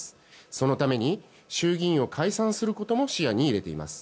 そのために衆議院を解散することも視野に入れています。